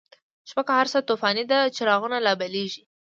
شپه که هر څه توفانی ده، چراغونه لا بلیږی